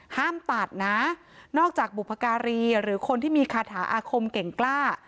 ห้ามตัดนะนอกจากบุพการีหรือคนที่มีคาถาอาคมเก่งกล้า